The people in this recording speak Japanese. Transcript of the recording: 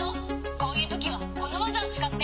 こういうときはこのわざをつかって。